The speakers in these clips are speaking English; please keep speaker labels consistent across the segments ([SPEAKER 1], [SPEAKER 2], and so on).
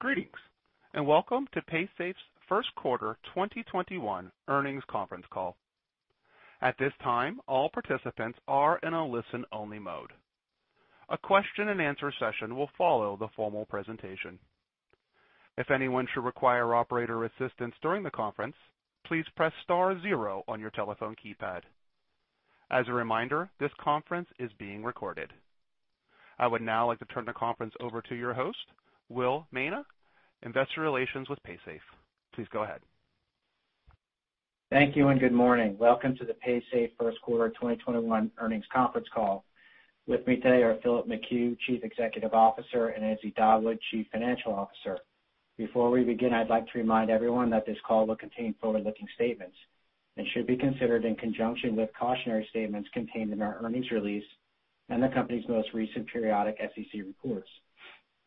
[SPEAKER 1] Greetings, and welcome to Paysafe's first quarter 2021 earnings conference call. At this time, all participants are in a listen-only mode. A question-and-answer session will follow the formal presentation. If anyone should require operator assistance during the conference, please press star zero on your telephone keypad. As a reminder, this conference is being recorded. I would now like to turn the conference over to your host, Will Maina, Investor Relations with Paysafe. Please go ahead.
[SPEAKER 2] Thank you and good morning. Welcome to the Paysafe first quarter 2021 earnings conference call. With me today are Philip McHugh, Chief Executive Officer, and Izzy Dawood, Chief Financial Officer. Before we begin, I'd like to remind everyone that this call will contain forward-looking statements and should be considered in conjunction with cautionary statements contained in our earnings release and the company's most recent periodic SEC reports.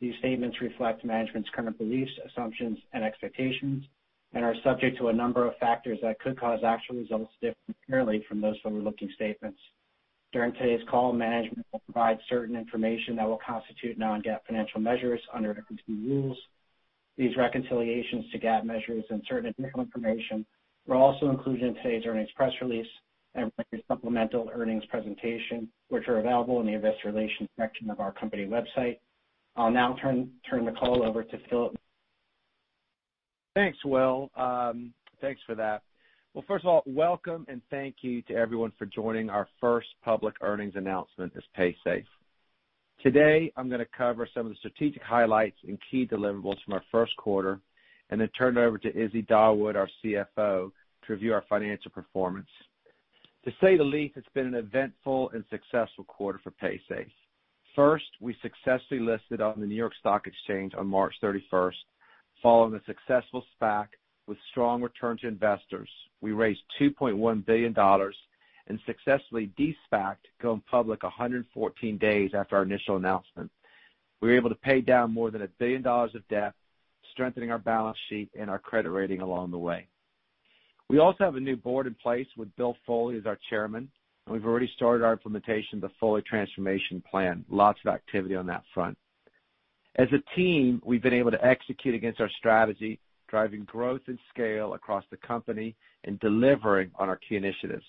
[SPEAKER 2] These statements reflect management's current beliefs, assumptions, and expectations and are subject to a number of factors that could cause actual results to differ materially from those forward-looking statements. During today's call, management will provide certain information that will constitute non-GAAP financial measures under the SEC rules. These reconciliations to GAAP measures and certain additional information were also included in today's earnings press release and supplementary earnings presentation, which are available in the Investor Relations section of our company website. I'll now turn the call over to Philip.
[SPEAKER 3] Thanks, Will. Thanks for that. Well, first of all, welcome and thank you to everyone for joining our first public earnings announcement as Paysafe. Today, I'm going to cover some of the strategic highlights and key deliverables from our first quarter and turn it over to Izzy Dawood, our CFO, to review our financial performance. To say the least, it's been an eventful and successful quarter for Paysafe. We successfully listed on the New York Stock Exchange on March 31st, following the successful SPAC with strong return to investors. We raised $2.1 billion and successfully de-SPAC'd, going public 114 days after our initial announcement. We were able to pay down more than $1 billion of debt, strengthening our balance sheet and our credit rating along the way. We also have a new board in place with Bill Foley as our Chairman. We've already started our implementation of the Foley transformation plan. Lots of activity on that front. As a team, we've been able to execute against our strategy, driving growth and scale across the company and delivering on our key initiatives.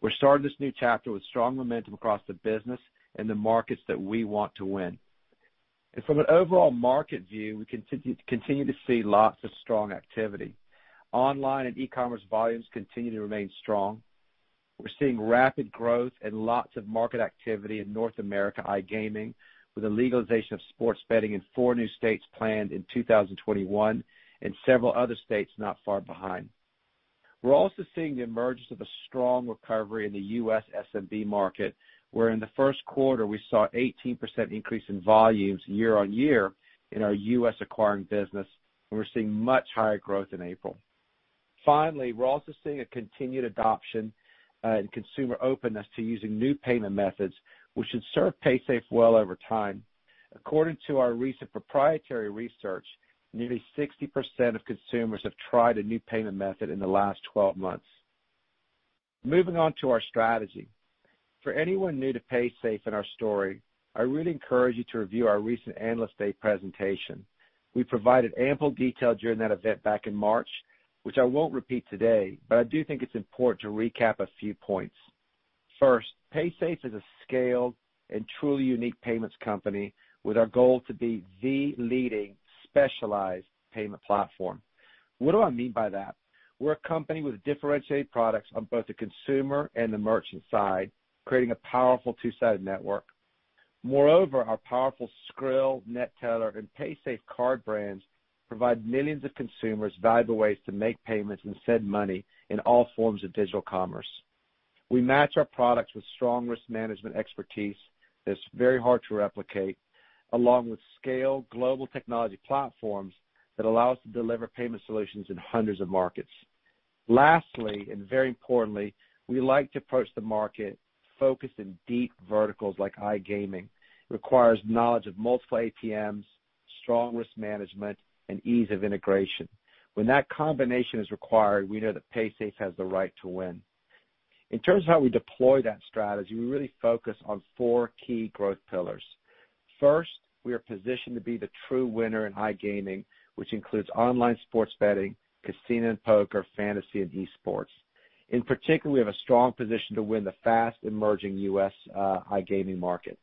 [SPEAKER 3] We're starting this new chapter with strong momentum across the business and the markets that we want to win. From an overall market view, we continue to see lots of strong activity. Online and e-commerce volumes continue to remain strong. We're seeing rapid growth and lots of market activity in North America iGaming, with the legalization of sports betting in four new states planned in 2021 and several other states not far behind. We're also seeing the emergence of a strong recovery in the U.S. SMB market, where in the first quarter we saw 18% increase in volumes year-over-year in our U.S. acquiring business, and we're seeing much higher growth in April. Finally, we're also seeing a continued adoption and consumer openness to using new payment methods which should serve Paysafe well over time. According to our recent proprietary research, nearly 60% of consumers have tried a new payment method in the last 12 months. Moving on to our strategy. For anyone new to Paysafe and our story, I really encourage you to review our recent Analyst Day presentation. We provided ample detail during that event back in March, which I won't repeat today, but I do think it's important to recap a few points. First, Paysafe is a scaled and truly unique payments company with our goal to be the leading specialized payment platform. What do I mean by that? We're a company with differentiated products on both the consumer and the merchant side, creating a powerful two-sided network. Moreover, our powerful Skrill, Neteller, and PaysafeCard brands provide millions of consumers valuable ways to make payments and send money in all forms of digital commerce. We match our products with strong risk management expertise that's very hard to replicate, along with scale global technology platforms that allow us to deliver payment solutions in hundreds of markets. Lastly, and very importantly, we like to approach the market focused in deep verticals like iGaming. It requires knowledge of multiple APMs, strong risk management, and ease of integration. When that combination is required, we know that Paysafe has the right to win. In terms of how we deploy that strategy, we really focus on four key growth pillars. First, we are positioned to be the true winner in iGaming, which includes online sports betting, casino and poker, fantasy and esports. In particular, we have a strong position to win the fast-emerging U.S. iGaming market.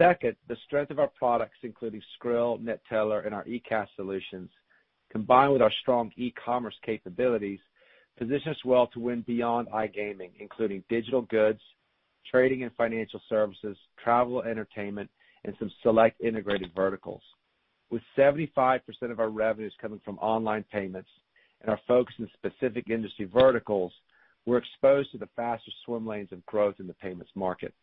[SPEAKER 3] Second, the strength of our products, including Skrill, Neteller, and our eCash Solutions, combined with our strong e-commerce capabilities, positions us well to win beyond iGaming, including digital goods, trading and financial services, travel, entertainment, and some select integrated verticals. With 75% of our revenues coming from online payments and our focus in specific industry verticals, we're exposed to the fastest swim lanes of growth in the payments market.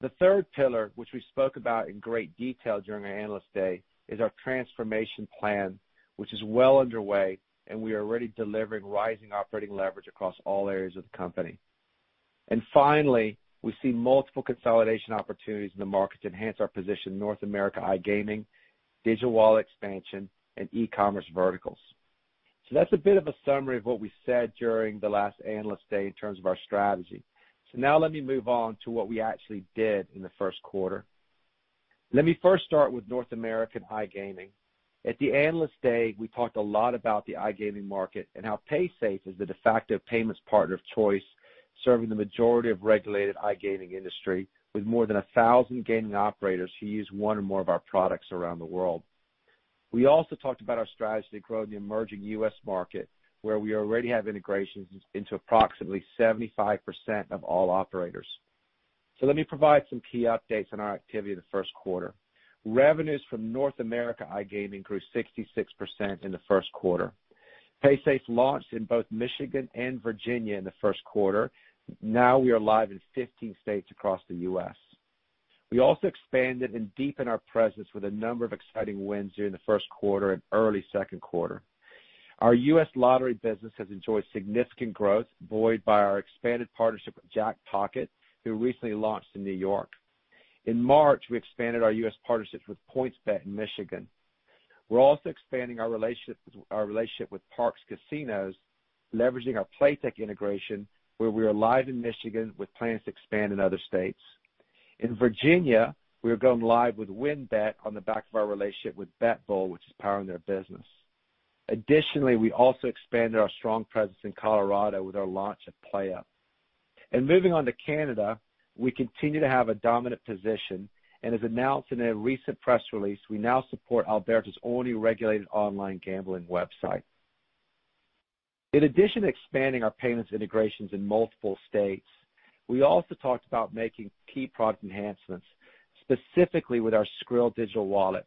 [SPEAKER 3] The third pillar, which we spoke about in great detail during our Analyst Day, is our transformation plan, which is well underway, and we are already delivering rising operating leverage across all areas of the company. Finally, we see multiple consolidation opportunities in the market to enhance our position in North America iGaming, Digital Wallets expansion, and e-commerce verticals. That's a bit of a summary of what we said during the last Analyst Day in terms of our strategy. Now let me move on to what we actually did in the first quarter. Let me first start with North American iGaming. At the Analyst Day, we talked a lot about the iGaming market and how Paysafe is the de facto payments partner of choice, serving the majority of regulated iGaming industry, with more than 1,000 gaming operators who use one or more of our products around the world. We also talked about our strategy to grow in the emerging U.S. market, where we already have integrations into approximately 75% of all operators. Let me provide some key updates on our activity in the first quarter. Revenues from North America iGaming grew 66% in the first quarter. Paysafe launched in both Michigan and Virginia in the first quarter. Now we are live in 15 states across the U.S. We also expanded and deepened our presence with a number of exciting wins during the first quarter and early second quarter. Our U.S. lottery business has enjoyed significant growth, buoyed by our expanded partnership with Jackpocket, who recently launched in New York. In March, we expanded our U.S. partnerships with PointsBet in Michigan. We're also expanding our relationship with Parx Casino, leveraging our Playtech integration, where we are live in Michigan with plans to expand in other states. In Virginia, we are going live with WynnBET on the back of our relationship with BetBull, which is powering their business. Additionally, we also expanded our strong presence in Colorado with our launch of PlayUp. Moving on to Canada, we continue to have a dominant position, and as announced in a recent press release, we now support Alberta's only regulated online gambling website. In addition to expanding our payments integrations in multiple states, we also talked about making key product enhancements, specifically with our Skrill digital wallet.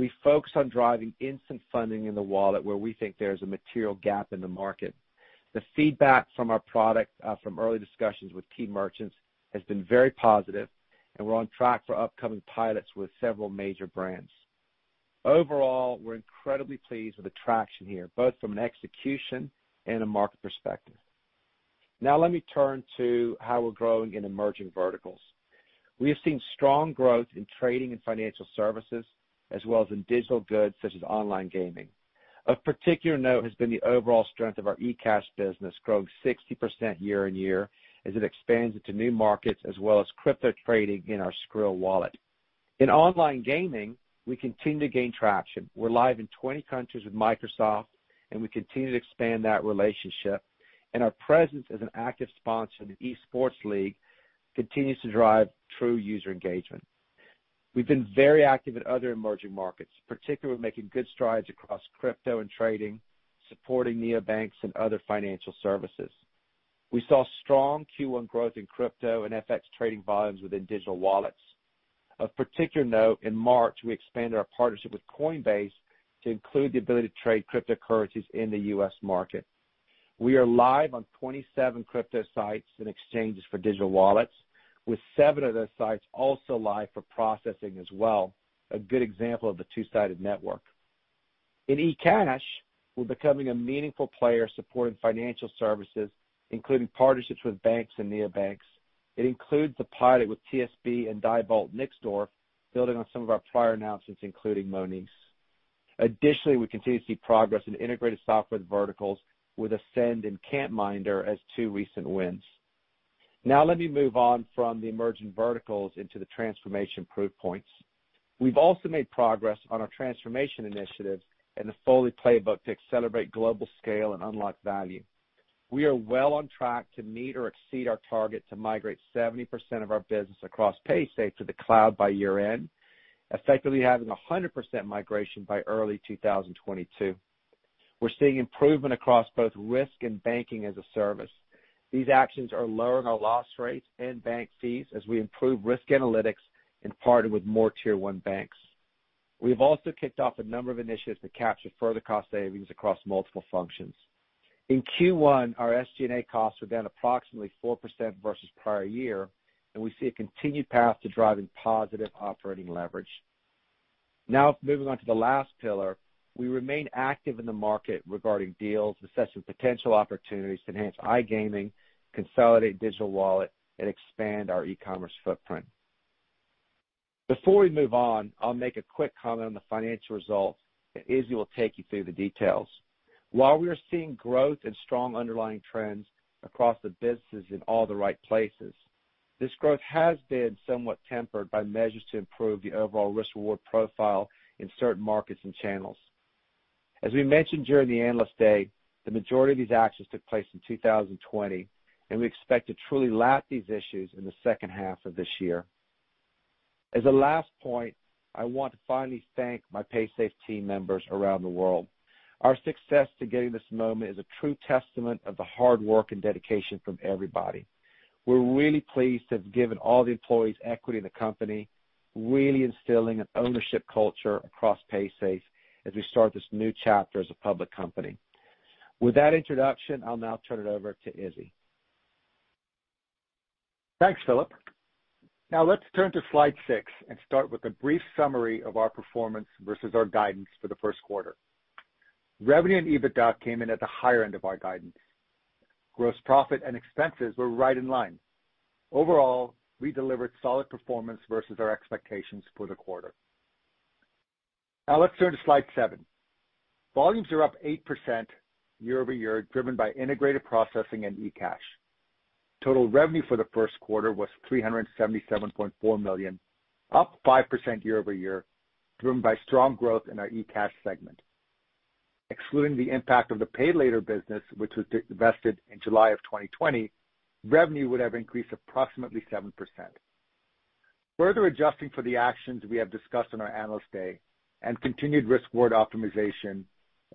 [SPEAKER 3] We focus on driving instant funding in the wallet where we think there's a material gap in the market. The feedback from our product from early discussions with key merchants has been very positive, and we're on track for upcoming pilots with several major brands. Overall, we're incredibly pleased with the traction here, both from an execution and a market perspective. Now let me turn to how we're growing in emerging verticals. We have seen strong growth in trading and financial services, as well as in digital goods such as online gaming. Of particular note has been the overall strength of our eCash business, growing 60% year-on-year as it expands into new markets, as well as crypto trading in our Skrill wallet. In online gaming, we continue to gain traction. We're live in 20 countries with Microsoft, and we continue to expand that relationship. Our presence as an active sponsor in the Esports League continues to drive true user engagement. We've been very active in other emerging markets, particularly making good strides across crypto and trading, supporting neobanks and other financial services. We saw strong Q1 growth in crypto and FX trading volumes within Digital Wallets. Of particular note, in March, we expanded our partnership with Coinbase to include the ability to trade cryptocurrencies in the U.S. market. We are live on 27 crypto sites and exchanges for Digital Wallets, with seven of those sites also live for processing as well, a good example of the two-sided network. In eCash, we're becoming a meaningful player supporting financial services, including partnerships with banks and neobanks. It includes the pilot with TSB and Diebold Nixdorf, building on some of our prior announcements, including Monese. We continue to see progress in integrated software verticals with Ascent and CampMinder as two recent wins. Let me move on from the emerging verticals into the transformation proof points. We've also made progress on our transformation initiatives and the Foley playbook to accelerate global scale and unlock value. We are well on track to meet or exceed our target to migrate 70% of our business across Paysafe to the cloud by year-end, effectively having 100% migration by early 2022. We're seeing improvement across both risk and banking as a service. These actions are lowering our loss rates and bank fees as we improve risk analytics and partner with more Tier 1 banks. We've also kicked off a number of initiatives to capture further cost savings across multiple functions. In Q1, our SG&A costs were down approximately 4% versus prior year, and we see a continued path to driving positive operating leverage. Moving on to the last pillar, we remain active in the market regarding deals, assessing potential opportunities to enhance iGaming, consolidate Digital Wallet, and expand our e-commerce footprint. Before we move on, I'll make a quick comment on the financial results, and Izzy will take you through the details. While we are seeing growth and strong underlying trends across the businesses in all the right places, this growth has been somewhat tempered by measures to improve the overall risk-reward profile in certain markets and channels. As we mentioned during the Analyst Day, the majority of these actions took place in 2020, and we expect to truly lap these issues in the second half of this year. As a last point, I want to finally thank my Paysafe team members around the world. Our success to getting this moment is a true testament of the hard work and dedication from everybody. We're really pleased to have given all the employees equity in the company, really instilling an ownership culture across Paysafe as we start this new chapter as a public company. With that introduction, I'll now turn it over to Izzy.
[SPEAKER 4] Thanks, Philip. Now let's turn to slide six and start with a brief summary of our performance versus our guidance for the first quarter. Revenue and EBITDA came in at the higher end of our guidance. Gross profit and expenses were right in line. Overall, we delivered solid performance versus our expectations for the quarter. Now let's turn to slide seven. Volumes are up 8% year-over-year, driven by integrated processing and eCash. Total revenue for the first quarter was $377.4 million, up 5% year-over-year, driven by strong growth in our eCash segment. Excluding the impact of the Pay Later business, which was divested in July of 2020, revenue would have increased approximately 7%. Further adjusting for the actions we have discussed on our Analyst Day and continued risk-reward optimization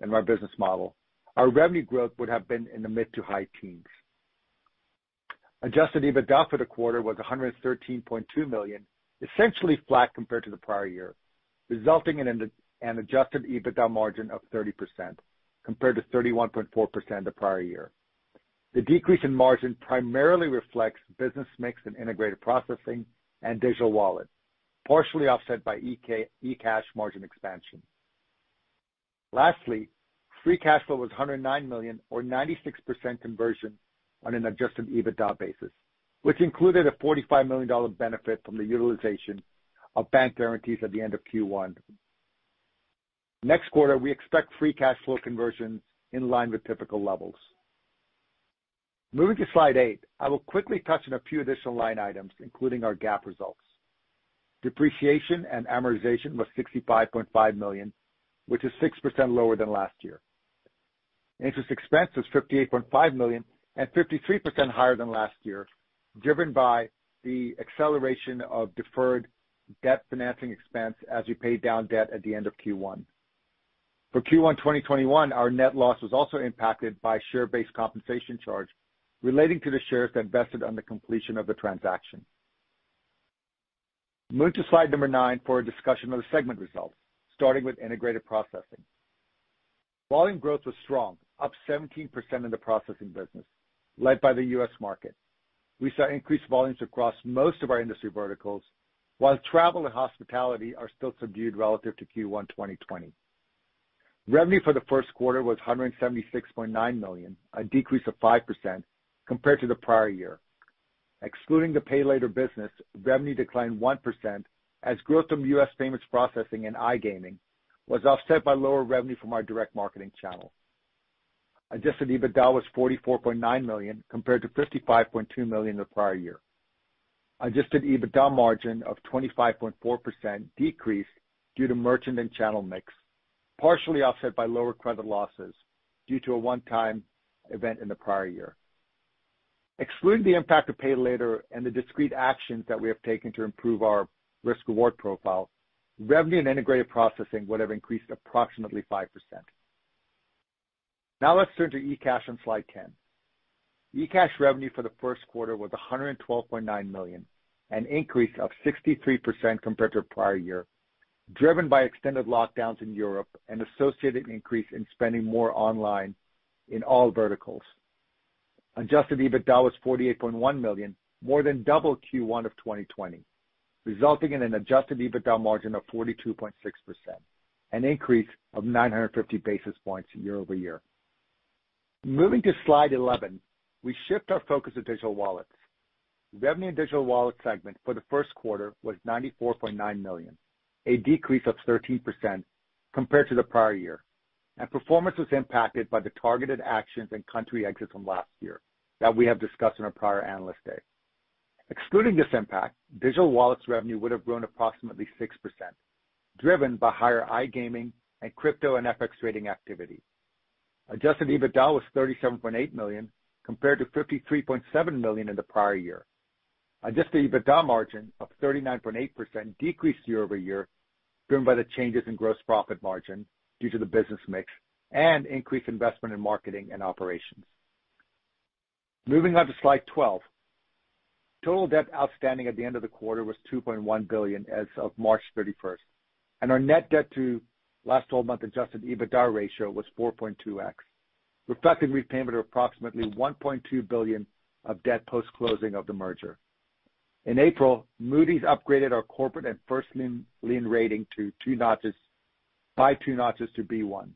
[SPEAKER 4] in our business model, our revenue growth would have been in the mid to high teens. Adjusted EBITDA for the quarter was $113.2 million, essentially flat compared to the prior year, resulting in an adjusted EBITDA margin of 30%, compared to 31.4% the prior year. The decrease in margin primarily reflects business mix in integrated processing and Digital Wallet, partially offset by eCash margin expansion. Lastly, free cash flow was $109 million, or 96% conversion on an adjusted EBITDA basis, which included a $45 million benefit from the utilization of bank guarantees at the end of Q1. Next quarter, we expect free cash flow conversion in line with typical levels. Moving to slide eight, I will quickly touch on a few additional line items, including our GAAP results. Depreciation and amortization was $65.5 million, which is 6% lower than last year. Interest expense was $58.5 million and 53% higher than last year, driven by the acceleration of deferred debt financing expense as we paid down debt at the end of Q1. For Q1 2021, our net loss was also impacted by share-based compensation charge relating to the shares that vested on the completion of the transaction. Moving to slide number nine for a discussion of the segment results, starting with integrated processing. Volume growth was strong, up 17% in the processing business, led by the U.S. market. We saw increased volumes across most of our industry verticals, while travel and hospitality are still subdued relative to Q1 2020. Revenue for the first quarter was $176.9 million, a decrease of 5% compared to the prior year. Excluding the Pay Later business, revenue declined 1% as growth from U.S. payments processing and iGaming was offset by lower revenue from our direct marketing channel. Adjusted EBITDA was $44.9 million, compared to $55.2 million the prior year. Adjusted EBITDA margin of 25.4% decreased due to merchant and channel mix, partially offset by lower credit losses due to a one-time event in the prior year. Excluding the impact of Pay Later and the discrete actions that we have taken to improve our risk-reward profile, revenue and integrated processing would have increased approximately 5%. Let's turn to eCash on slide 10. eCash revenue for the first quarter was $112.9 million, an increase of 63% compared to prior year, driven by extended lockdowns in Europe and associated increase in spending more online in all verticals. Adjusted EBITDA was $48.1 million, more than double Q1 of 2020, resulting in an adjusted EBITDA margin of 42.6%, an increase of 950 basis points year-over-year. Moving to slide 11, we shift our focus to Digital Wallets. Revenue in Digital Wallets segment for the first quarter was $94.9 million, a decrease of 13% compared to the prior year. Performance was impacted by the targeted actions and country exits from last year that we have discussed in our prior Analyst Day. Excluding this impact, Digital Wallets revenue would have grown approximately 6%, driven by higher iGaming and crypto and FX trading activity. Adjusted EBITDA was $37.8 million, compared to $53.7 million in the prior year. Adjusted EBITDA margin of 39.8% decreased year-over-year, driven by the changes in gross profit margin due to the business mix and increased investment in marketing and operations. Moving on to slide 12. Total debt outstanding at the end of the quarter was $2.1 billion as of March 31st, and our net debt to last 12-month adjusted EBITDA ratio was 4.2x, reflecting repayment of approximately $1.2 billion of debt post-closing of the merger. In April, Moody's upgraded our corporate and first lien rating by two notches to B1.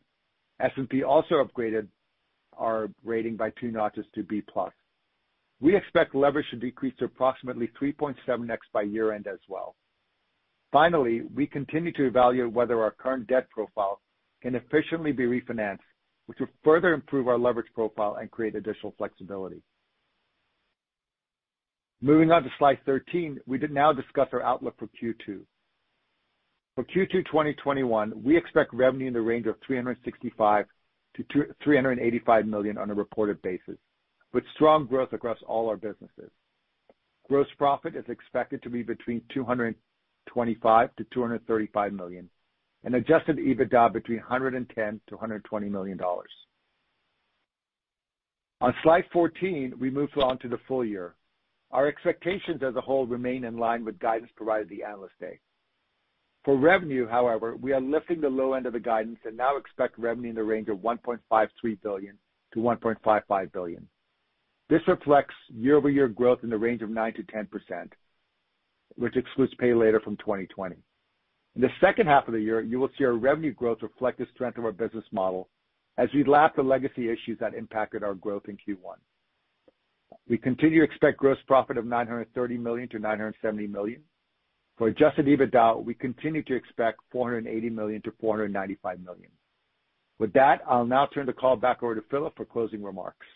[SPEAKER 4] S&P also upgraded our rating by two notches to B+. We expect leverage should decrease to approximately 3.7x by year-end as well. Finally, we continue to evaluate whether our current debt profile can efficiently be refinanced, which will further improve our leverage profile and create additional flexibility. Moving on to slide 13, we now discuss our outlook for Q2. For Q2 2021, we expect revenue in the range of $365 million-$385 million on a reported basis, with strong growth across all our businesses. Gross profit is expected to be between $225 million-$235 million, and adjusted EBITDA between $110 million-$120 million. On slide 14, we move along to the full year. Our expectations as a whole remain in line with guidance provided at the Analyst Day. For revenue, however, we are lifting the low end of the guidance and now expect revenue in the range of $1.53 billion-$1.55 billion. This reflects year-over-year growth in the range of 9%-10%. Which excludes Pay Later from 2020. In the second half of the year, you will see our revenue growth reflect the strength of our business model as we lap the legacy issues that impacted our growth in Q1. We continue to expect gross profit of $930 million-$970 million. For adjusted EBITDA, we continue to expect $480 million-$495 million. With that, I'll now turn the call back over to Philip for closing remarks.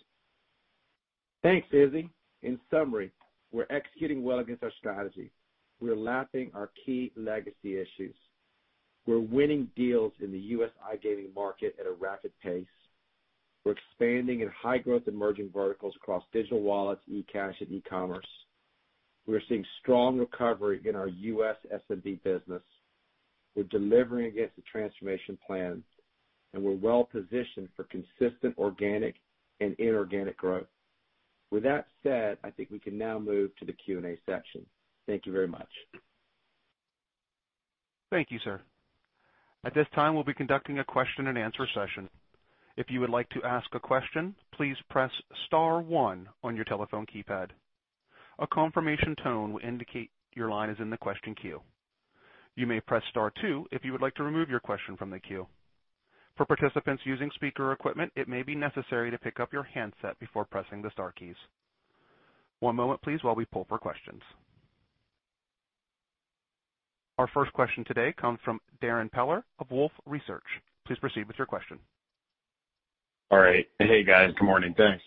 [SPEAKER 3] Thanks, Izzy. In summary, we're executing well against our strategy. We're lapping our key legacy issues. We're winning deals in the U.S. iGaming market at a rapid pace. We're expanding in high-growth emerging verticals across Digital Wallets, eCash, and e-commerce. We are seeing strong recovery in our U.S. SMB business. We're delivering against the transformation plan, and we're well-positioned for consistent organic and inorganic growth. With that said, I think we can now move to the Q&A section. Thank you very much.
[SPEAKER 1] Thank you, sir. At this time, we'll be conducting a question-and-answer session. Our first question today comes from Darrin Peller of Wolfe Research. Please proceed with your question.
[SPEAKER 5] All right. Hey, guys. Good morning. Thanks.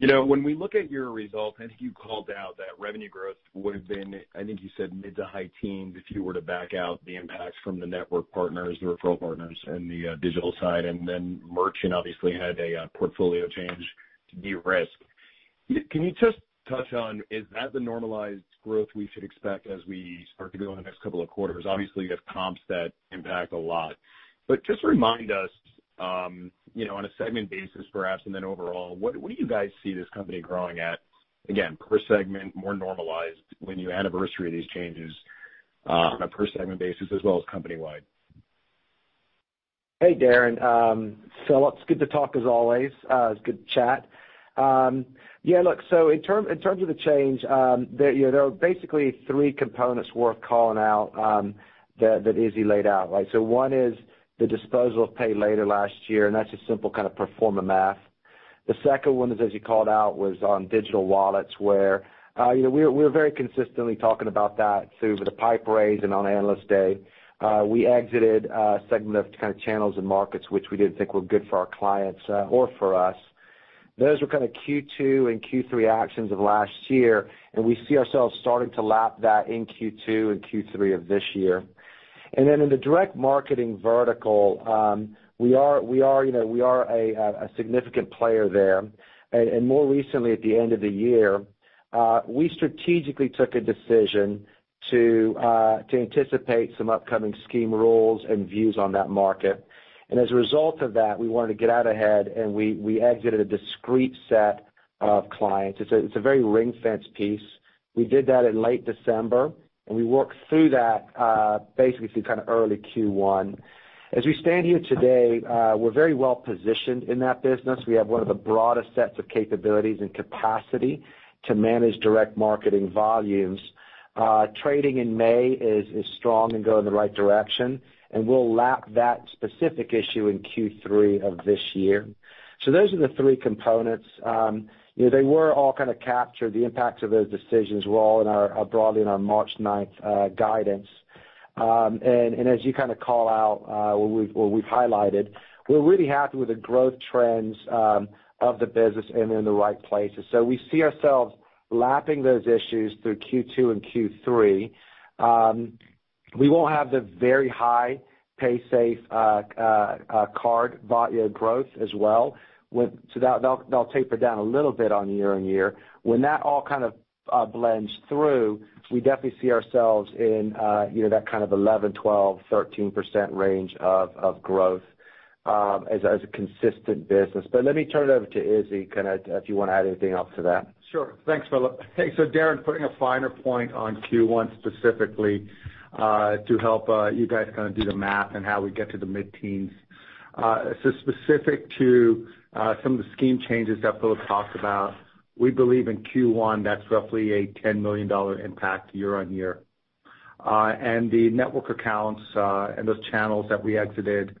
[SPEAKER 5] When we look at your results, I think you called out that revenue growth would have been, I think you said mid to high teens if you were to back out the impacts from the network partners, the referral partners and the digital side, and then merchant obviously had a portfolio change to de-risk. Can you just touch on, is that the normalized growth we should expect as we start to go in the next couple of quarters? Obviously, you have comps that impact a lot. Just remind us on a segment basis, perhaps, and then overall, where do you guys see this company growing at, again, per segment, more normalized when you anniversary these changes on a per segment basis as well as company-wide?
[SPEAKER 3] Hey, Darrin. Philip, it's good to talk as always. It's good to chat. In terms of the change, there are basically three components worth calling out that Izzy laid out. One is the disposal of Pay Later last year, and that's a simple kind of perform the math. The second one is, as you called out, was on Digital Wallets where we're very consistently talking about that through the PIPE raise and on Analyst Day. We exited a segment of channels and markets which we didn't think were good for our clients or for us. Those were Q2 and Q3 actions of last year, we see ourselves starting to lap that in Q2 and Q3 of this year. In the direct marketing vertical, we are a significant player there. More recently at the end of the year, we strategically took a decision to anticipate some upcoming scheme rules and views on that market. As a result of that, we wanted to get out ahead and we exited a discrete set of clients. It's a very ring-fence piece. We did that in late December, and we worked through that basically through early Q1. As we stand here today, we're very well-positioned in that business. We have one of the broadest sets of capabilities and capacity to manage direct marketing volumes. Trading in May is strong and going in the right direction, and we'll lap that specific issue in Q3 of this year. Those are the three components. They were all captured, the impacts of those decisions were all broadly in our March 9th guidance. As you call out what we've highlighted, we're really happy with the growth trends of the business and in the right places. We see ourselves lapping those issues through Q2 and Q3. We won't have the very high PaysafeCard volume growth as well. That'll taper down a little bit on year-over-year. When that all blends through, we definitely see ourselves in that kind of 11%, 12%, 13% range of growth as a consistent business. Let me turn it over to Izzy, if you want to add anything else to that.
[SPEAKER 4] Sure. Thanks, Philip. Hey, Darrin, putting a finer point on Q1 specifically to help you guys do the math and how we get to the mid-teens. Specific to some of the scheme changes that Philip talked about, we believe in Q1, that's roughly a $10 million impact year-on-year. The network accounts and those channels that we exited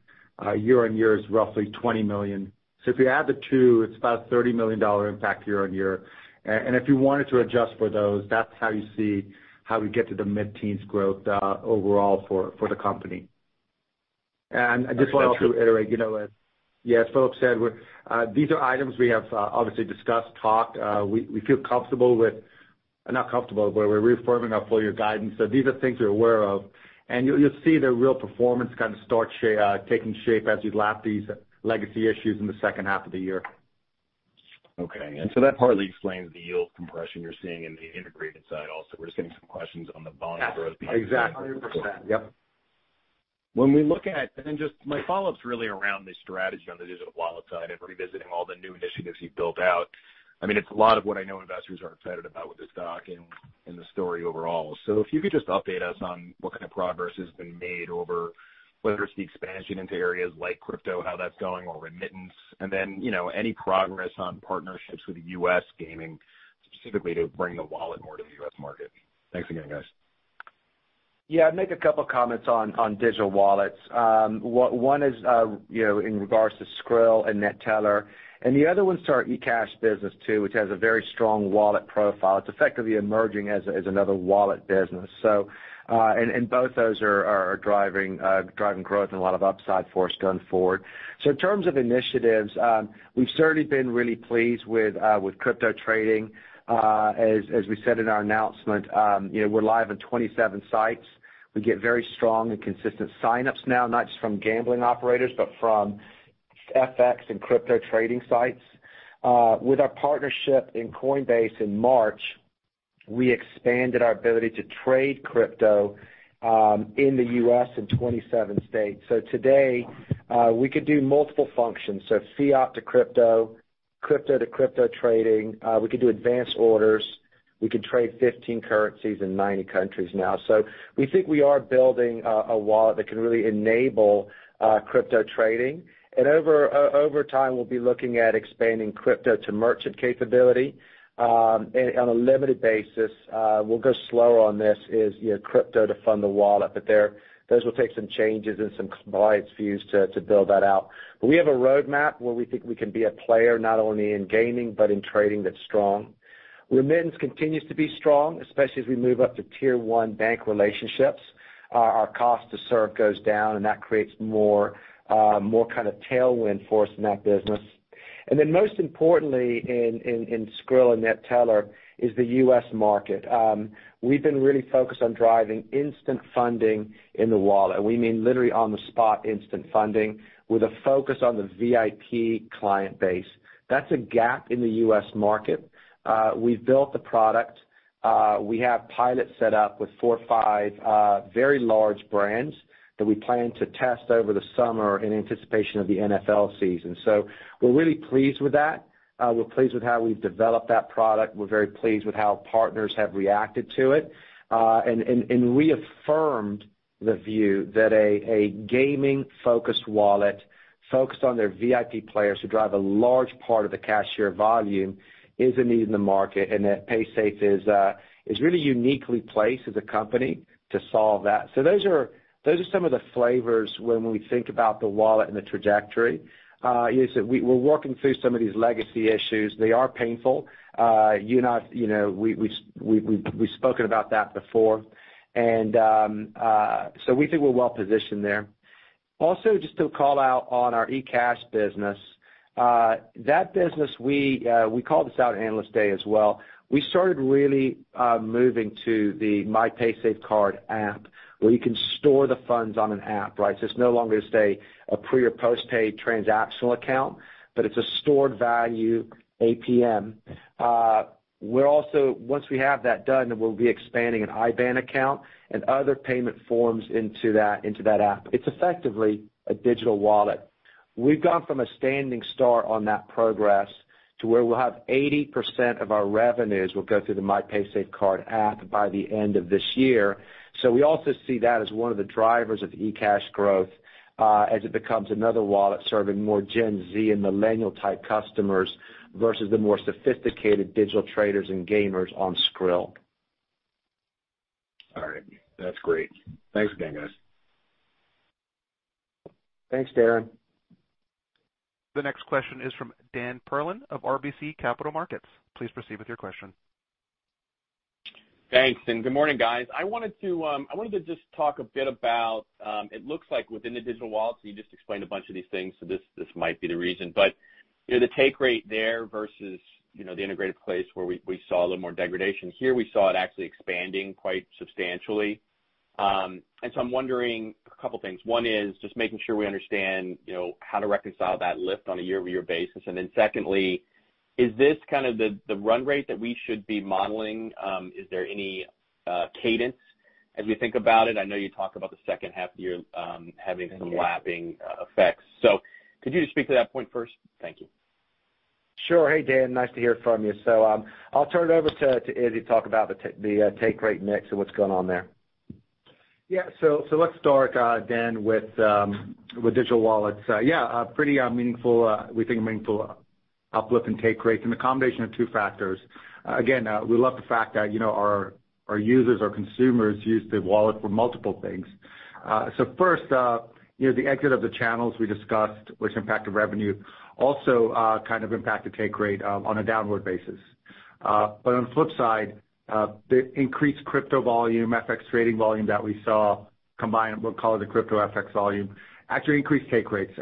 [SPEAKER 4] year-on-year is roughly $20 million. If you add the two, it's about $30 million impact year-on-year. If you wanted to adjust for those, that's how you see how we get to the mid-teens growth overall for the company. I just want to also iterate, as Philip said, these are items we have obviously discussed, talked. We feel comfortable with-- not comfortable, but we're reaffirming our full-year guidance. These are things we're aware of. You'll see the real performance start taking shape as you lap these legacy issues in the second half of the year.
[SPEAKER 5] Okay. That partly explains the yield compression you're seeing in the integrated side also. We're just getting some questions on the volume growth.
[SPEAKER 4] Yes. Exactly. 100%. Yep.
[SPEAKER 5] When we look at, just my follow-up's really around the strategy on the Digital Wallets side and revisiting all the new initiatives you've built out. It's a lot of what I know investors are excited about with the stock and the story overall. If you could just update us on what kind of progress has been made over whether it's the expansion into areas like crypto, how that's going, or remittance, and then any progress on partnerships with U.S. gaming, specifically to bring the wallet more to the U.S. market. Thanks again, guys.
[SPEAKER 3] I'd make a couple of comments on Digital Wallets. One is in regards to Skrill and Neteller, the other one's to our eCash business too, which has a very strong wallet profile. It's effectively emerging as another wallet business. Both those are driving growth and a lot of upside for us going forward. In terms of initiatives, we've certainly been really pleased with crypto trading. As we said in our announcement, we're live in 27 sites. We get very strong and consistent sign-ups now, not just from gambling operators, but from FX and crypto trading sites. With our partnership in Coinbase in March, we expanded our ability to trade crypto in the U.S. in 27 states. Today, we could do multiple functions. Fiat to crypto to crypto trading. We could do advanced orders. We could trade 15 currencies in 90 countries now. We think we are building a wallet that can really enable crypto trading. Over time, we'll be looking at expanding crypto to merchant capability. On a limited basis, we'll go slow on this is, crypto to fund the wallet. Those will take some changes and some compliance views to build that out. We have a roadmap where we think we can be a player, not only in gaming, but in trading that's strong. Remittance continues to be strong, especially as we move up to tier 1 bank relationships. Our cost to serve goes down, and that creates more kind of tailwind for us in that business. Most importantly in Skrill and Neteller is the U.S. market. We've been really focused on driving instant funding in the wallet. We mean literally on-the-spot instant funding with a focus on the VIP client base. That's a gap in the U.S. market. We've built the product. We have pilots set up with four or five very large brands that we plan to test over the summer in anticipation of the NFL season. We're really pleased with that. We're pleased with how we've developed that product. We're very pleased with how partners have reacted to it, and reaffirmed the view that a gaming-focused wallet focused on their VIP players who drive a large part of the cashier volume is a need in the market, and that Paysafe is really uniquely placed as a company to solve that. Those are some of the flavors when we think about the wallet and the trajectory, is that we're working through some of these legacy issues. They are painful. We've spoken about that before. We think we're well-positioned there. Just to call out on our eCash business. That business, we called this out at Analyst Day as well. We started really moving to the my PaysafeCard app, where you can store the funds on an app, right? It's no longer, say, a pre or post-paid transactional account, but it's a stored value APM. Once we have that done, we'll be expanding an IBAN account and other payment forms into that app. It's effectively a digital wallet. We've gone from a standing start on that progress to where we'll have 80% of our revenues will go through the myPaysafeCard app app by the end of this year. We also see that as one of the drivers of eCash growth, as it becomes another wallet serving more Gen Z and millennial-type customers versus the more sophisticated digital traders and gamers on Skrill.
[SPEAKER 5] All right. That's great. Thanks again, guys.
[SPEAKER 3] Thanks, Darrin.
[SPEAKER 1] The next question is from Daniel Perlin of RBC Capital Markets. Please proceed with your question.
[SPEAKER 6] Thanks, and good morning, guys. I wanted to just talk a bit about, it looks like within the Digital Wallets, you just explained a bunch of these things, this might be the reason. The take rate there versus the integrated place where we saw a little more degradation. Here we saw it actually expanding quite substantially. I'm wondering a couple things. One is just making sure we understand how to reconcile that lift on a year-over-year basis. Secondly, is this kind of the run rate that we should be modeling? Is there any cadence as we think about it? I know you talk about the second half of the year having some lapping effects. Could you just speak to that point first? Thank you.
[SPEAKER 3] Sure. Hey, Dan. Nice to hear from you. I'll turn it over to Izzy to talk about the take rate mix and what's going on there.
[SPEAKER 4] Yeah. Let's start, Dan, with Digital Wallets. Pretty meaningful, we think a meaningful uplift in take rates, a combination of two factors. We love the fact that our users, our consumers use the wallet for multiple things. First, the exit of the channels we discussed, which impacted revenue, also kind of impacted take rate on a downward basis. On the flip side, the increased crypto volume, FX trading volume that we saw combined, we'll call it the crypto FX volume, actually increased take rates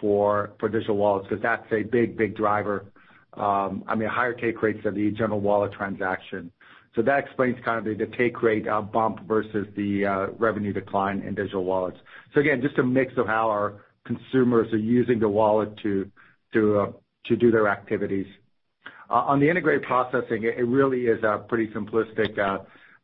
[SPEAKER 4] for Digital Wallets because that's a big driver. I mean, higher take rates than the general wallet transaction. That explains kind of the take rate bump versus the revenue decline in Digital Wallets. Just a mix of how our consumers are using the wallet to do their activities. On the integrated processing, it really is pretty simplistic.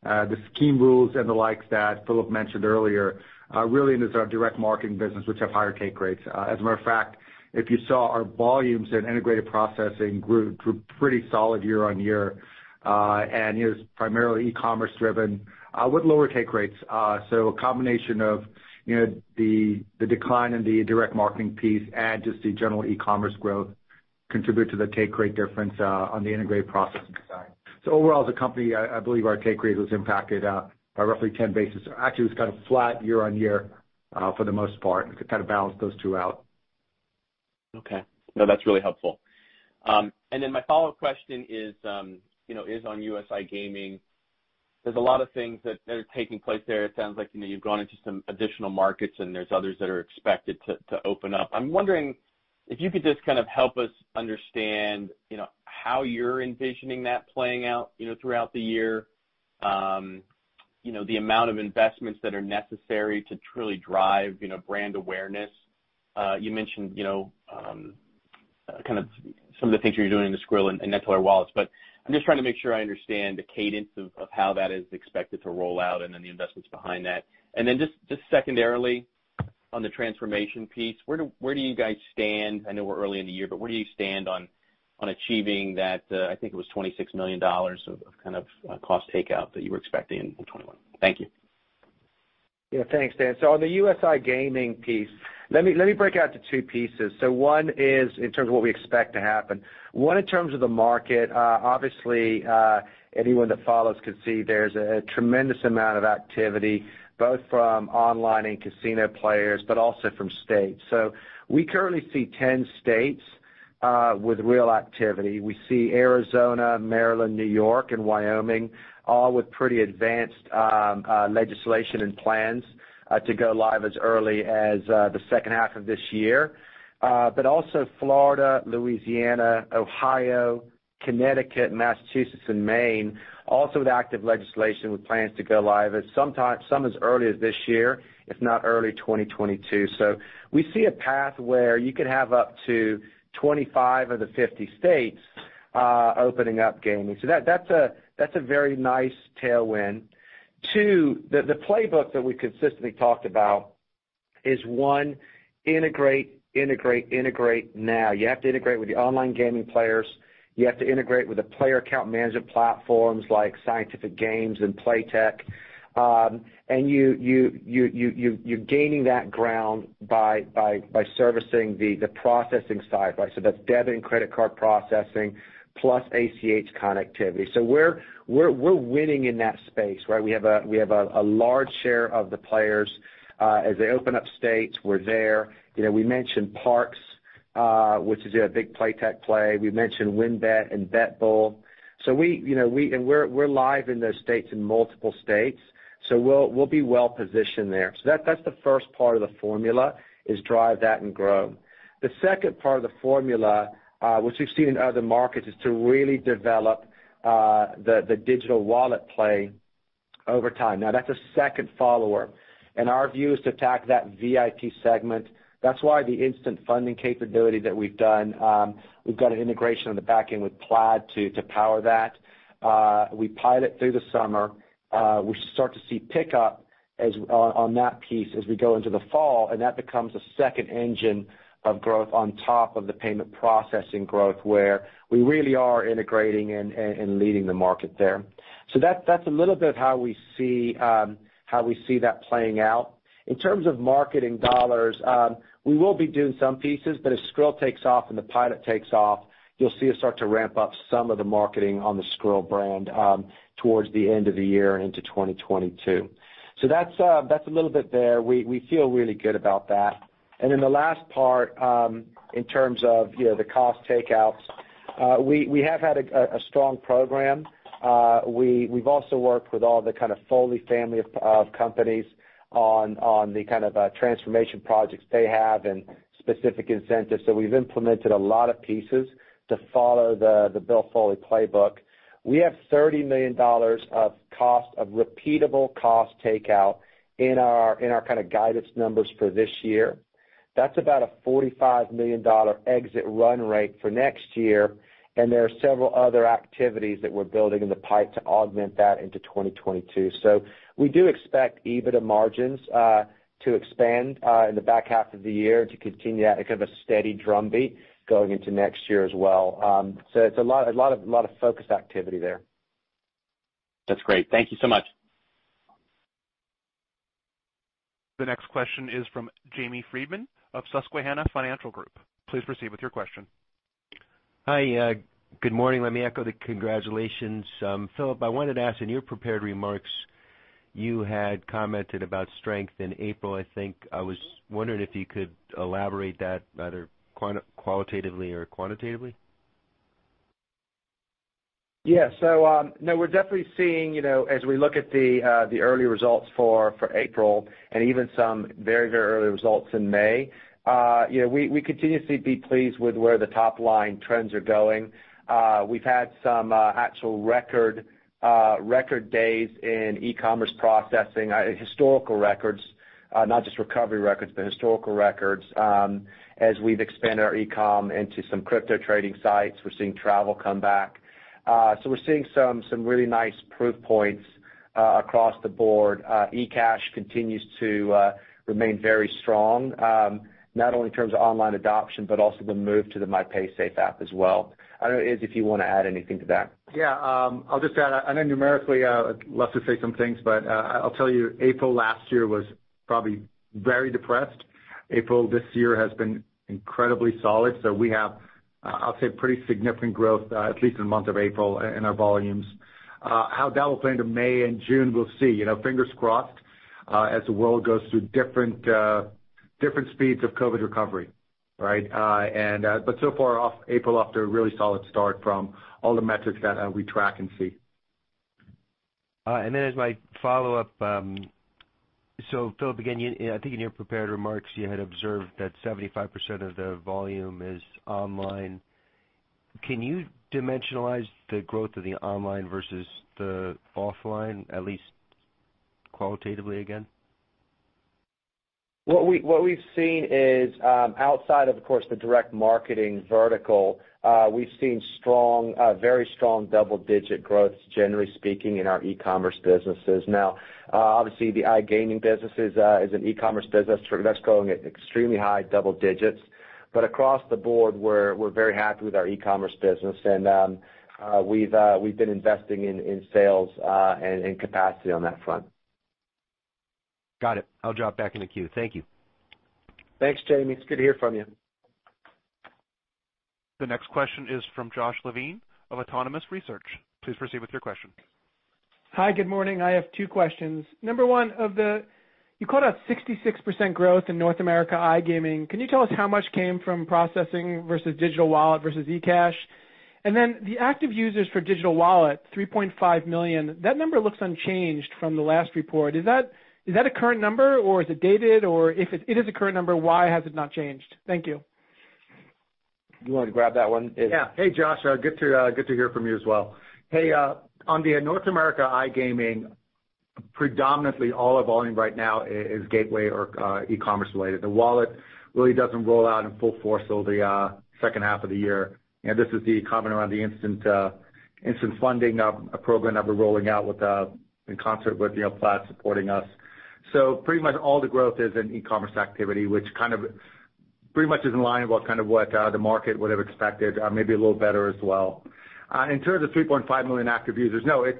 [SPEAKER 4] The scheme rules and the likes that Philip mentioned earlier really in this are our direct marketing business, which have higher take rates. As a matter of fact, if you saw our volumes in integrated processing grew pretty solid year-over-year, and is primarily e-commerce driven with lower take rates. A combination of the decline in the direct marketing piece and just the general e-commerce growth. Contribute to the take rate difference on the integrated processing side. Overall as a company, I believe our take rate was impacted by roughly 10 basis. Actually, it was kind of flat year-on-year, for the most part. It kind of balanced those two out.
[SPEAKER 6] No, that's really helpful. My follow-up question is on U.S. iGaming. There's a lot of things that are taking place there. It sounds like you've gone into some additional markets, and there's others that are expected to open up. I'm wondering if you could just kind of help us understand how you're envisioning that playing out throughout the year. The amount of investments that are necessary to truly drive brand awareness. You mentioned kind of some of the things you're doing in the Skrill and Neteller wallets, I'm just trying to make sure I understand the cadence of how that is expected to roll out and then the investments behind that. Just secondarily on the transformation piece, where do you guys stand? I know we're early in the year, but where do you stand on achieving that, I think it was $26 million of kind of cost takeout that you were expecting in 2021? Thank you.
[SPEAKER 3] Yeah. Thanks, Dan. On the U.S. iGaming piece, let me break out the two pieces. One is in terms of what we expect to happen. One, in terms of the market, obviously, anyone that follows could see there's a tremendous amount of activity, both from online and casino players, also from states. We currently see 10 states with real activity. We see Arizona, Maryland, New York, and Wyoming all with pretty advanced legislation and plans to go live as early as the second half of this year. Also Florida, Louisiana, Ohio, Connecticut, Massachusetts, and Maine, also with active legislation with plans to go live some as early as this year, if not early 2022. We see a path where you could have up to 25 of the 50 states opening up gaming. That's a very nice tailwind. Two, the playbook that we consistently talked about is, one, integrate, integrate now. You have to integrate with the online gaming players. You have to integrate with the player account management platforms like Scientific Games and Playtech. You're gaining that ground by servicing the processing side. That's debit and credit card processing plus ACH connectivity. We're winning in that space, right? We have a large share of the players. As they open up states, we're there. We mentioned Parx, which is a big Playtech play. We mentioned WynnBET and BetBull. We're live in those states, in multiple states, so we'll be well-positioned there. That's the first part of the formula is drive that and grow. The second part of the formula, which we've seen in other markets, is to really develop the digital wallet play over time. That's a second follower, and our view is to attack that VIP segment. That's why the instant funding capability that we've done, we've got an integration on the back end with Plaid to power that. We pilot through the summer. We start to see pickup on that piece as we go into the fall, and that becomes a second engine of growth on top of the payment processing growth, where we really are integrating and leading the market there. That's a little bit how we see that playing out. In terms of marketing dollars, we will be doing some pieces, as Skrill takes off and the pilot takes off, you'll see us start to ramp up some of the marketing on the Skrill brand towards the end of the year and into 2022. That's a little bit there. We feel really good about that. The last part, in terms of the cost takeouts, we have had a strong program. We've also worked with all the kind of Foley family of companies on the kind of transformation projects they have and specific incentives. We've implemented a lot of pieces to follow the Bill Foley playbook. We have $30 million of repeatable cost takeout in our kind of guidance numbers for this year. That's about a $45 million exit run rate for next year, and there are several other activities that we're building in the pipe to augment that into 2022. We do expect EBITDA margins to expand in the back half of the year to continue at a kind of a steady drumbeat going into next year as well. It's a lot of focus activity there.
[SPEAKER 6] That's great. Thank you so much.
[SPEAKER 1] The next question is from Jamie Friedman of Susquehanna Financial Group. Please proceed with your question.
[SPEAKER 7] Hi. Good morning. Let me echo the congratulations. Philip, I wanted to ask, in your prepared remarks, you had commented about strength in April, I think. I was wondering if you could elaborate that, either qualitatively or quantitatively.
[SPEAKER 3] No, we're definitely seeing as we look at the early results for April and even some very early results in May, we continuously be pleased with where the top-line trends are going. We've had some actual record days in e-commerce processing, historical records, not just recovery records, but historical records. As we've expanded our e-com into some crypto trading sites, we're seeing travel come back. We're seeing some really nice proof points across the board. eCash continues to remain very strong, not only in terms of online adoption, but also the move to the myPaysafe app as well. I don't know, Izzy, if you want to add anything to that.
[SPEAKER 4] Yeah. I'll just add, I know numerically I'd love will say some things, but I'll tell you, April last year was probably very depressed. April this year has been incredibly solid. We have, I'll say, pretty significant growth, at least in the month of April in our volumes. How that will play into May and June, we'll see. Fingers crossed as the world goes through different speeds of COVID recovery. So far, April off to a really solid start from all the metrics that we track and see.
[SPEAKER 7] As my follow-up, Philip, again, I think in your prepared remarks, you had observed that 75% of the volume is online. Can you dimensionalize the growth of the online versus the offline, at least qualitatively again?
[SPEAKER 3] What we've seen is outside of course, the direct marketing vertical, we've seen very strong double-digit growth, generally speaking, in our e-commerce businesses. Obviously the iGaming business is an e-commerce business. That's growing at extremely high double digits. Across the board, we're very happy with our e-commerce business, and we've been investing in sales and capacity on that front.
[SPEAKER 7] Got it. I'll drop back in the queue. Thank you.
[SPEAKER 3] Thanks, Jamie. It's good to hear from you.
[SPEAKER 1] The next question is from Josh Levin of Autonomous Research. Please proceed with your question.
[SPEAKER 8] Hi. Good morning. I have two questions. Number one, you called out 66% growth in North America iGaming. Can you tell us how much came from processing versus Digital Wallet versus eCash? The active users for Digital Wallet, 3.5 million, that number looks unchanged from the last report. Is that a current number or is it dated? If it is a current number, why has it not changed? Thank you.
[SPEAKER 3] You want to grab that one?
[SPEAKER 4] Hey, Josh. Good to hear from you as well. Hey, on the North America iGaming, predominantly all our volume right now is gateway or e-commerce related. The wallet really doesn't roll out in full force till the second half of the year. This is the comment around the instant funding program that we're rolling out in concert with Plaid supporting us. Pretty much all the growth is in e-commerce activity, which pretty much is in line with what the market would have expected, maybe a little better as well. In terms of 3.5 million active users, no, it's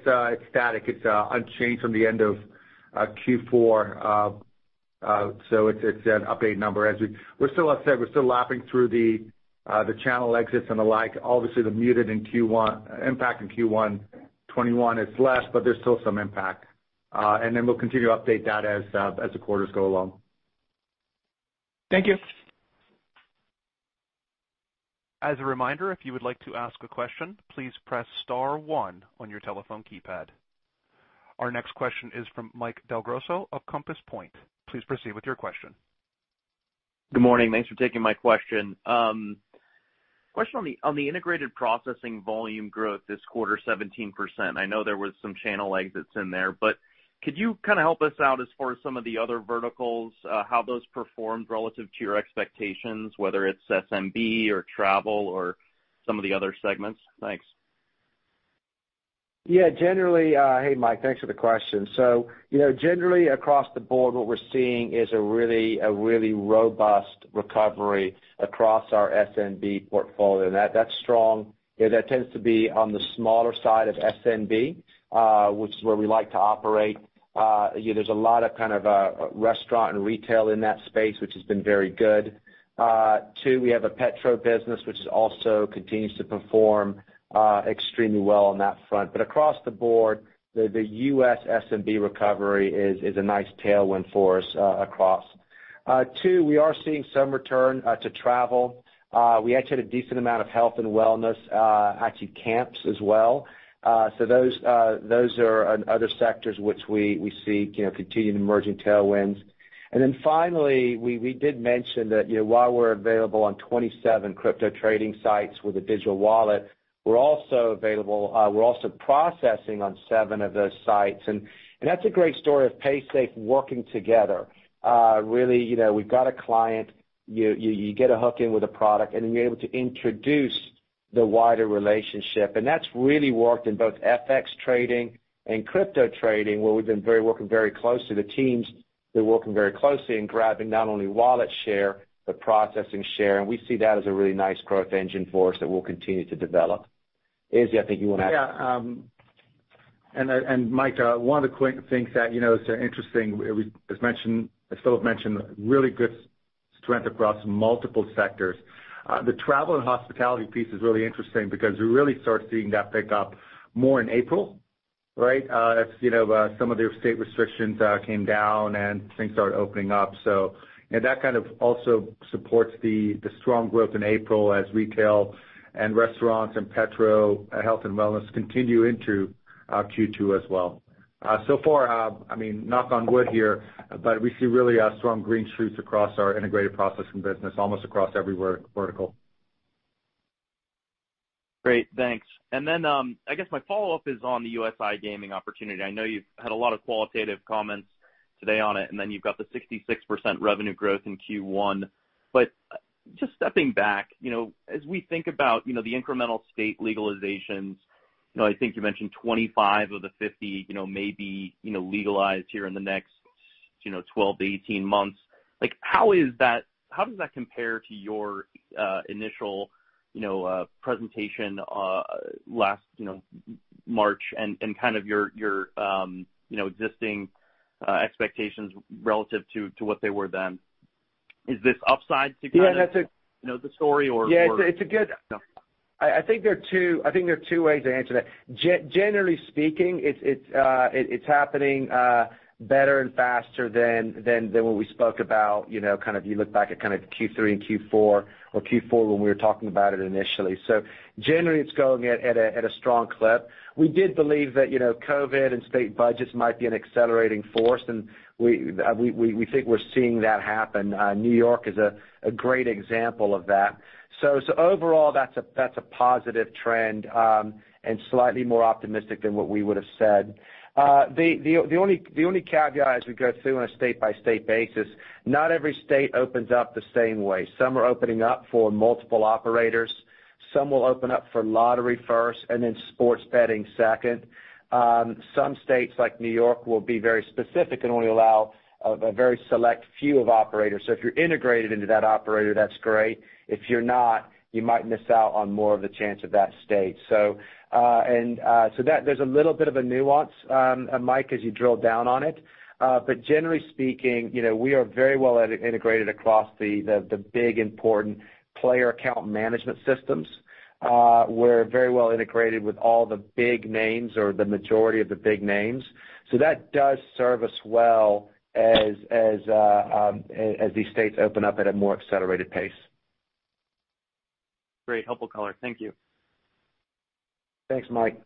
[SPEAKER 4] static. It's unchanged from the end of Q4. It's an update number. Like I said, we're still lapping through the channel exits and the like. Obviously, the muted impact in Q1 2021 is less, but there's still some impact. We'll continue to update that as the quarters go along.
[SPEAKER 8] Thank you.
[SPEAKER 1] As a reminder, if you would like to ask a question, please press star one on your telephone keypad. Our next question is from Mike Del Grosso of Compass Point. Please proceed with your question.
[SPEAKER 9] Good morning. Thanks for taking my question. Question on the integrated processing volume growth this quarter, 17%. I know there was some channel exits in there, but could you help us out as far as some of the other verticals, how those performed relative to your expectations, whether it's SMB or travel or some of the other segments? Thanks.
[SPEAKER 3] Hey, Mike, thanks for the question. Generally across the board, what we're seeing is a really robust recovery across our SMB portfolio, and that's strong. That tends to be on the smaller side of SMB, which is where we like to operate. There's a lot of restaurant and retail in that space, which has been very good. Two, we have a petrol business which also continues to perform extremely well on that front. Across the board, the U.S. SMB recovery is a nice tailwind for us across. Two, we are seeing some return to travel. We actually had a decent amount of health and wellness, actually camps as well. Those are other sectors which we see continued emerging tailwinds. Finally, we did mention that while we're available on 27 crypto trading sites with a Digital Wallet, we're also processing on seven of those sites. That's a great story of Paysafe working together. Really, we've got a client. You get a hook in with a product, and then you're able to introduce the wider relationship. That's really worked in both FX trading and crypto trading, where we've been working very closely. The teams, they're working very closely in grabbing not only wallet share, but processing share, and we see that as a really nice growth engine for us that we'll continue to develop. Izzy, I think you want to add.
[SPEAKER 4] Mike, one of the quick things that is interesting, as Philip mentioned, really good strength across multiple sectors. The travel and hospitality piece is really interesting because we really start seeing that pick up more in April. As some of the state restrictions came down and things started opening up. That kind of also supports the strong growth in April as retail and restaurants and petrol, health and wellness continue into Q2 as well. Far, knock on wood here, but we see really strong green shoots across our integrated processing business, almost across every vertical.
[SPEAKER 9] Great, thanks. I guess my follow-up is on the U.S. iGaming opportunity. I know you've had a lot of qualitative comments today on it, and then you've got the 66% revenue growth in Q1. Just stepping back, as we think about the incremental state legalizations, I think you mentioned 25 of the 50 may be legalized here in the next 12 months, 18 months. How does that compare to your initial presentation last March and your existing expectations relative to what they were then? Is this upside?
[SPEAKER 3] Yeah, that's.
[SPEAKER 9] The story.
[SPEAKER 3] I think there are two ways to answer that. Generally speaking, it's happening better and faster than what we spoke about, you look back at Q3 and Q4 or Q4 when we were talking about it initially. Generally, it's going at a strong clip. We did believe that COVID and state budgets might be an accelerating force, and we think we're seeing that happen. New York is a great example of that. Overall, that's a positive trend, and slightly more optimistic than what we would've said. The only caveat as we go through on a state-by-state basis, not every state opens up the same way. Some are opening up for multiple operators. Some will open up for lottery first, and then sports betting second. Some states, like New York, will be very specific and only allow a very select few of operators. If you're integrated into that operator, that's great. If you're not, you might miss out on more of the chance of that state. There's a little bit of a nuance, Mike, as you drill down on it. Generally speaking, we are very well integrated across the big important player account management systems. We're very well integrated with all the big names or the majority of the big names. That does serve us well as these states open up at a more accelerated pace.
[SPEAKER 9] Great, helpful color. Thank you.
[SPEAKER 3] Thanks, Mike.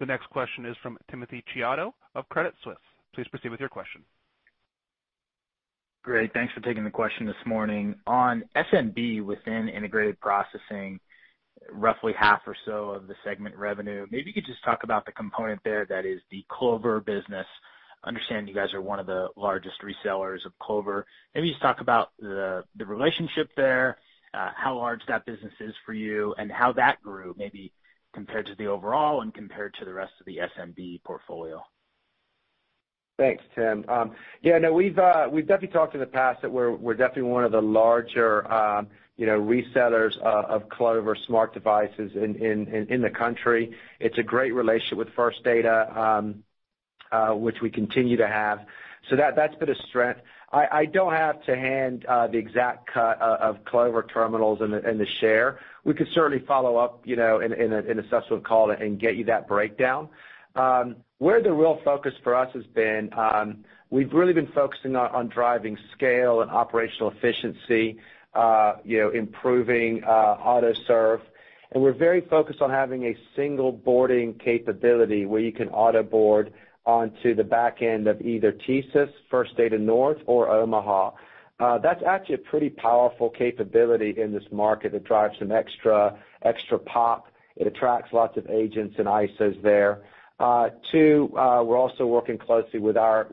[SPEAKER 1] The next question is from Timothy Chiodo of Credit Suisse. Please proceed with your question.
[SPEAKER 10] Great. Thanks for taking the question this morning. On SMB within integrated processing, roughly half or so of the segment revenue. Maybe you could just talk about the component there that is the Clover business. Understand you guys are one of the largest resellers of Clover. Maybe just talk about the relationship there, how large that business is for you, and how that grew maybe compared to the overall and compared to the rest of the SMB portfolio.
[SPEAKER 3] Thanks, Tim. Yeah, no, we've definitely talked in the past that we're definitely one of the larger resellers of Clover devices in the country. It's a great relationship with First Data, which we continue to have. That's been a strength. I don't have to hand the exact cut of Clover terminals and the share. We could certainly follow up in a subsequent call and get you that breakdown. Where the real focus for us has been, we've really been focusing on driving scale and operational efficiency, improving auto-serve, and we're very focused on having a single boarding capability where you can auto-board onto the back end of either TSYS, First Data North, or Omaha. That's actually a pretty powerful capability in this market that drives some extra pop. It attracts lots of agents and ISOs there. Two, we're also working closely with our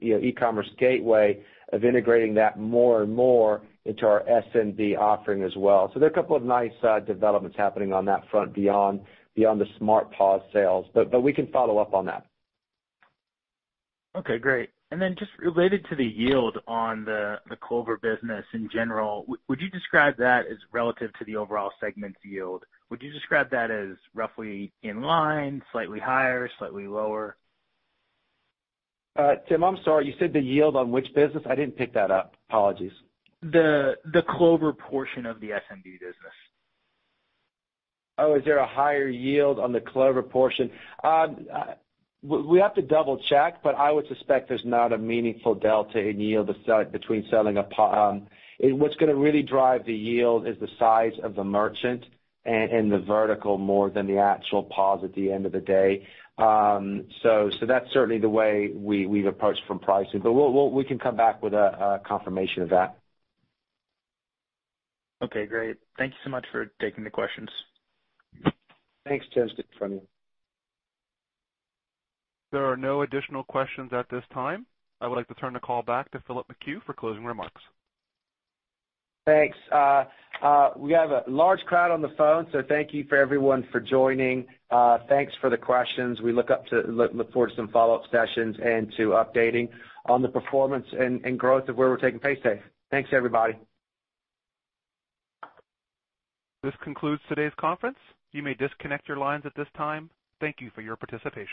[SPEAKER 3] e-commerce gateway of integrating that more and more into our SMB offering as well. There are a couple of nice developments happening on that front beyond the Smart POS sales, but we can follow up on that.
[SPEAKER 10] Okay, great. Just related to the yield on the Clover business in general, would you describe that as relative to the overall segment yield? Would you describe that as roughly in line, slightly higher, slightly lower?
[SPEAKER 3] Tim, I'm sorry, you said the yield on which business? I didn't pick that up. Apologies.
[SPEAKER 10] The Clover portion of the SMB business.
[SPEAKER 3] Is there a higher yield on the Clover portion? We have to double-check, I would suspect there's not a meaningful delta in yield between selling. What's going to really drive the yield is the size of the merchant and the vertical more than the actual POS at the end of the day. That's certainly the way we've approached from pricing, we can come back with a confirmation of that.
[SPEAKER 10] Okay, great. Thank you so much for taking the questions.
[SPEAKER 3] Thanks, Tim. Good talking to you.
[SPEAKER 1] There are no additional questions at this time. I would like to turn the call back to Philip McHugh for closing remarks.
[SPEAKER 3] Thanks. We have a large crowd on the phone, so thank you for everyone for joining. Thanks for the questions. We look forward to some follow-up sessions and to updating on the performance and growth of where we're taking Paysafe. Thanks, everybody.
[SPEAKER 1] This concludes today's conference. You may disconnect your lines at this time. Thank you for your participation.